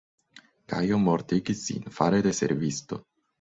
Gajo mortigis sin fare de servisto.